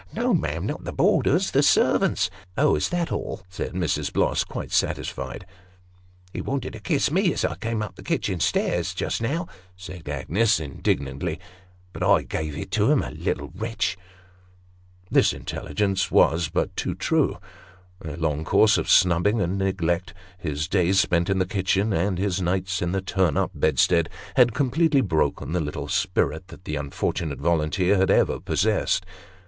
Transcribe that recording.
" No, ma'am, not the boarders, the servants." " Oh, is that all !" said Mrs. Bloss, quite satisfied. " He wanted to kiss me as I came up the kitchen stairs, just now," said Agnes, indignantly ;" but I gave it him a little wretch !" This intelligence was but too true. A long course of snubbing and neglect ; his days spent in the kitchen, and his nights in the turn up bedstead, had completely broken the little spirit that the unfortunate volunteer had ever possessed.